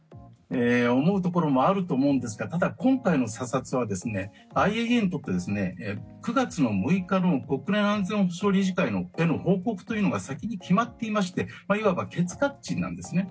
思うところもあると思うんですがただ、今回の査察はＩＡＥＡにとって９月６日の国連安全保障理事会への報告が先に決まっていましていわばケツカッチンなんですね。